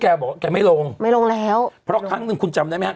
บอกว่าแกไม่ลงไม่ลงแล้วเพราะครั้งหนึ่งคุณจำได้ไหมฮะ